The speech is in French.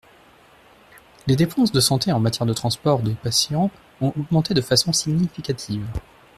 Les dépenses de santé en matière de transport de patients ont augmenté de façon significative.